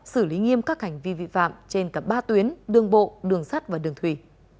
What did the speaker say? xử lý nghiêm các hành vi vi phạm trên cả ba tuyến đường bộ đường sắt và đường thủy